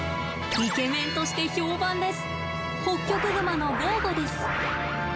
イケメンとして評判です。